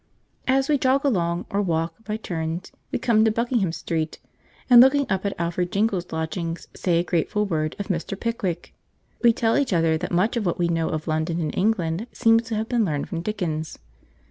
As we jog along, or walk, by turns, we come to Buckingham Street, and looking up at Alfred Jingle's lodgings say a grateful word of Mr. Pickwick. We tell each other that much of what we know of London and England seems to have been learned from Dickens.